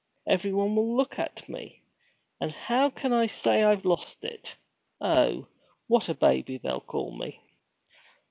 Everyone will look at me; and how can I say I've lost it! Oh, what a baby they'll call me!'